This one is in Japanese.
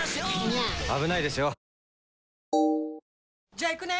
じゃあ行くね！